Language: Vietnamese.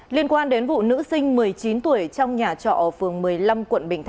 liên quan đến vụ nữ sinh một mươi chín tuổi trong nhà trọ ở phường một mươi năm quận bình thạnh